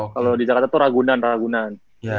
kalau di jakarta itu ragunan ragunan